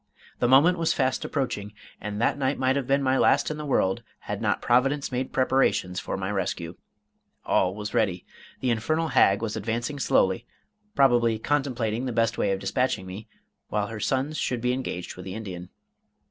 The moment was fast approaching, and that night might have been my last in the world, had not Providence made preparations for my rescue. All was ready. The infernal hag was advancing slowly, probably contemplating the best way of dispatching me, while her sons should be engaged with the Indian.